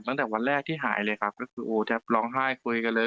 ตั้งแต่วันแรกที่หายเลยครับก็คือโอ้แทบร้องไห้คุยกันเลย